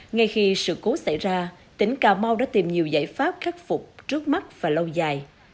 ngay khi sự cố xảy ra tỉnh cà mau đã tìm nhiều giải pháp khắc phục trước mắt và lâu dài